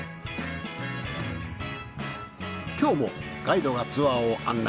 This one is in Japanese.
今日もガイドがツアーを案内。